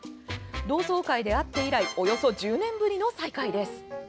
同窓会で会って以来およそ１０年ぶりの再会です。